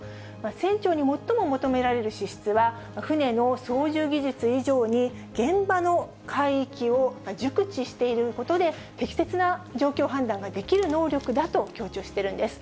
船長に最も求められる資質は、船の操縦技術以上に、現場の海域を熟知していることで、適切な状況判断ができる能力だと強調しているんです。